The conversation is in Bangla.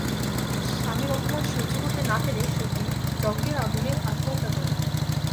স্বামীর অপমান সহ্য করতে না পেরে সতী যজ্ঞের আগুনে আত্মহত্যা করেন।